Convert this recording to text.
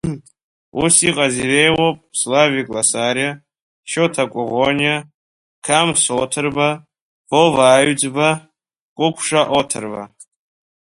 Ус иҟаз иреиуоуп Славик Ласариа, Шьоҭа Коӷониа, Қамс Оҭырба, Вова Аҩӡба, Кәыкәша Оҭырба.